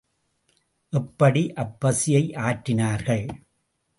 எப்படி அப்பசியை ஆற்றினார்கள்?